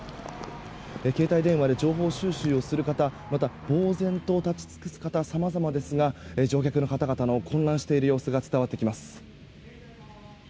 携帯電話で情報収集をする方また、ぼうぜんと立ち尽くす方さまざまですが乗客の方々の混乱する様子が伝わってきます。